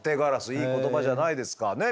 いい言葉じゃないですかねえ